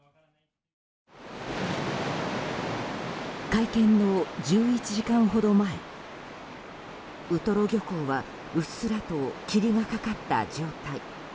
会見の１１時間ほど前ウトロ漁港はうっすらと霧がかかった状態。